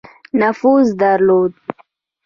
نفوذ درلود.